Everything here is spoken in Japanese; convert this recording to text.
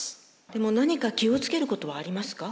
でも何か気を付けることはありますか？